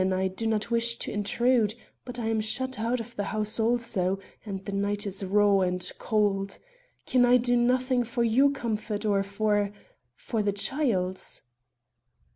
I do not wish to intrude; but I am shut out of the house also; and the night is raw and cold. Can I do nothing for your comfort or for for the child's?"